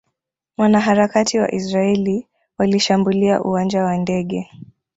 Wanaharakati wa Israeli walishambulia uwanja wa ndege